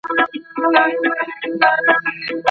ایا واړه پلورونکي جلغوزي اخلي؟